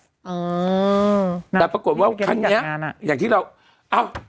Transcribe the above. เออแต่ปรากฏว่าครั้งเนี้ยอย่างที่เราอ้าว